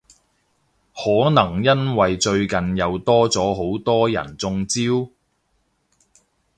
可能因為最近又多咗好多人中招？